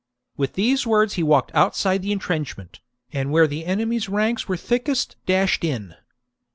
With these words he walked outside the entrenchment, and where the enemy's ranks were thickest dashed in.